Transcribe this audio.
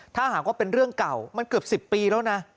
ถ้าหากว่าเป็นเรื่องเก่ามันเกือบ๑๐ปีแล้วนะ